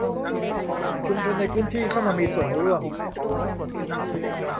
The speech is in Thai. ชุมชนในพื้นที่เข้ามามีส่วนร่วม